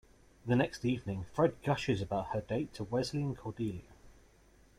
The next evening, Fred gushes about her date to Wesley and Cordelia.